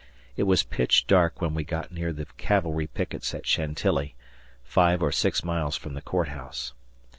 It was pitch dark when we got near the cavalry pickets at Chantilly five or six miles from the Court House.